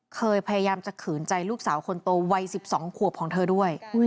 พยายามจะขืนใจลูกสาวคนโตวัย๑๒ขวบของเธอด้วย